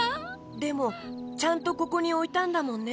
でもちゃんとここにおいたんだもんね。